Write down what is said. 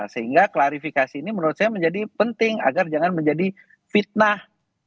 sehingga klarifikasi ini menurut saya menjadi penting agar jangan menjadi fitnah